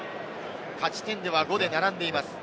勝ち点では５で並んでいます。